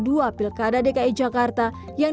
jokowi memang terang jelas dengan gd lonely